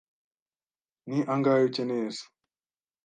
ni angahe ukeneye se